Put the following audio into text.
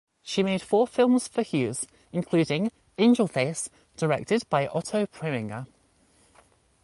She made four films for Hughes, including "Angel Face", directed by Otto Preminger.